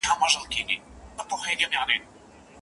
زوی بازار ته رسېدلی دی.